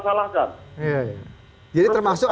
salahkan iya iya jadi termasuk